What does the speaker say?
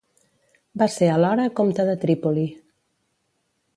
Va ser alhora comte de Trípoli.